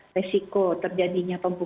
risiko terjadinya pembekuan